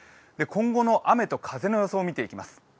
今後の雨と風の予想を見ていきます。